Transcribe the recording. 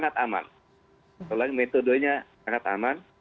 karena metodenya sangat aman